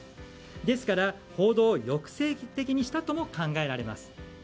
ですから報道を抑制的にしたとも考えられます。